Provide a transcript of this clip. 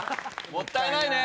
もったいないね。